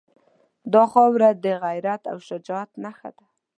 دا خاوره د غیرت او شجاعت نښه ده.